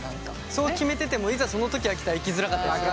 そう決めててもいざその時が来たらいきづらかったりする。